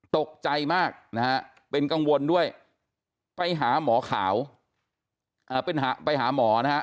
ตกใจมากนะฮะเป็นกังวลด้วยไปหาหมอขาวเป็นไปหาหมอนะฮะ